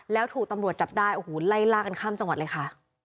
แล้วถูกตำรวจจับได้โอ้โหไล่ล่ากันข้ามจังหวัดเลยค่ะ